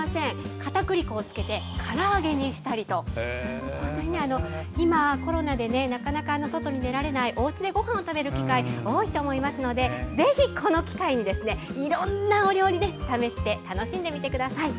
かたくり粉をつけてから揚げにしたりと本当に、今コロナでなかなか外に出られずおうちでごはんを食べる機会が多いと思いますのでぜひこの機会にいろんなお料理で試して楽しんでみてください。